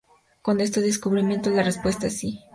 Con este descubrimiento, la respuesta es sí.